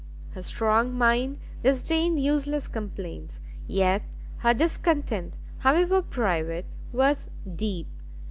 Her strong mind disdained useless complaints, yet her discontent, however private, was deep.